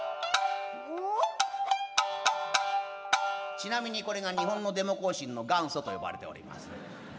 ちなみにこれが日本のデモ行進の元祖と呼ばれております。